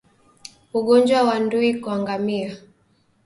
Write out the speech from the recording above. Ugonjwa wa ndui kwa ngamia